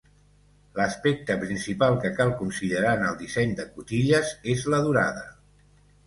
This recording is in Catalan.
L'aspecte principal que cal considerar en el disseny de cotilles és la durada.